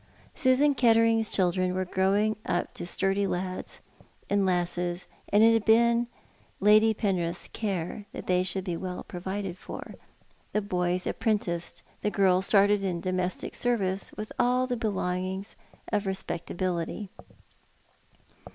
Susan Kettering's children were growing up into sturdy lads and lasses, and it had been Lady Penrith's care that they should be well provided for, the boys apprenticed, the girls started in domestic service with all the belongings of respecta bility.